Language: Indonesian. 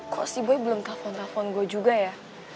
kok si boy belum telfon telfon gue juga ya